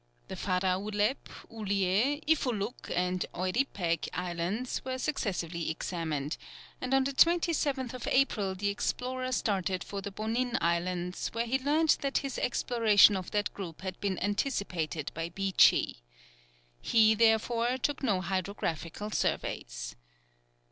The Faraulep, Ulie, Ifuluk, and Euripeg Islands were successively examined, and on the 27th April the explorer started for the Bonin Islands, where he learnt that his exploration of that group had been anticipated by Beechey. He, therefore, took no hydrographical surveys.